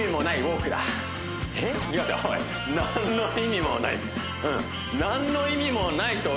なんの意味もない！